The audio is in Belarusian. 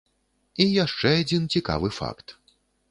І яшчэ адзін цікавы факт.